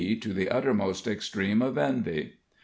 to the uttermost extreme of envy.